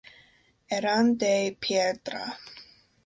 Eran de piedra.